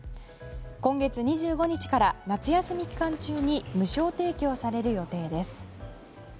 今月２５日から夏休み期間中に無償提供される予定です。